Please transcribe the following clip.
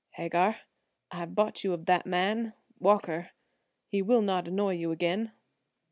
"Hagar, I have bought you of that man–Walker–he will not annoy you again."